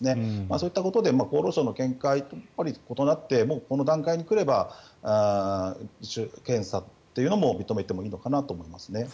そういったことで厚労省の見解と異なってこの段階に来れば自主検査というのも認めてもいいのかなと思います。